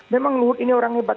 memang luhut ini orang hebat